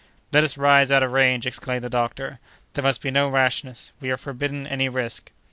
"Let us rise out of range," exclaimed the doctor; "there must be no rashness! We are forbidden any risk."